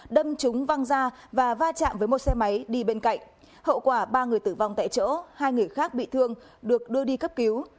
đâm trúng văng ra và va chạm với một xe máy đi bên cạnh hậu quả ba người tử vong tại chỗ hai người khác bị thương được đưa đi cấp cứu